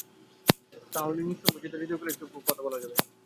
তাহলেই নিঃশঙ্কচিত্তে হৃদয় খুলে একটু বসে বসে, দুলে দুলে গান শোনা যাবে।